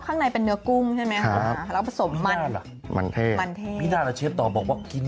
ข้างบัวแห่งสันยินดีต้อนรับทุกท่านนะครับ